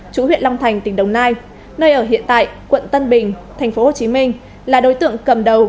chú huyện long thành tỉnh đồng nai nơi ở hiện tại quận tân bình tp hcm là đối tượng cầm đầu